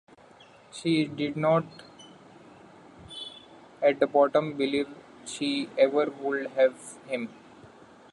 She did not at the bottom believe she ever would have him.